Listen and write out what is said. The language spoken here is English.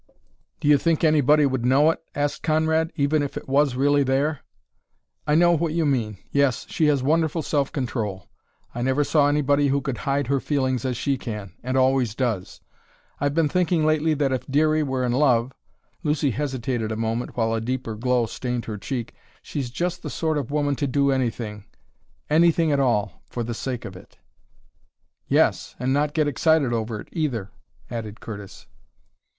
"Do you think anybody would know it," asked Conrad, "even if it was really there?" "I know what you mean yes, she has wonderful self control I never saw anybody who could hide her feelings as she can, and always does. I've been thinking lately that if Dearie were in love " Lucy hesitated a moment while a deeper glow stained her cheek "she's just the sort of woman to do anything, anything at all, for the sake of it." "Yes; and not get excited over it, either," added Curtis.